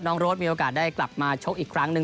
โรดมีโอกาสได้กลับมาชกอีกครั้งหนึ่ง